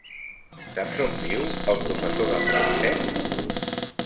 Saps on viu el professor de francès?